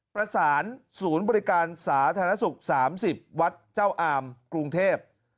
ประสานศูนย์บริการสาธารณสุข๓๐วัดเจ้าอามกรุงเทพ